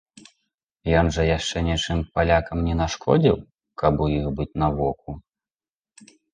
Ён жа яшчэ нічога палякам не нашкодзіў, каб у іх быць на воку?